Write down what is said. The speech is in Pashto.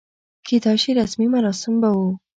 کېدای شي رسمي مراسم به و.